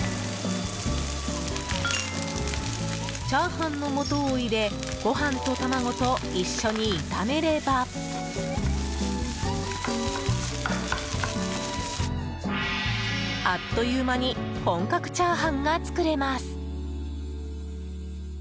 チャーハンの素を入れご飯と卵と一緒に炒めればあっという間に本格チャーハンが作れます。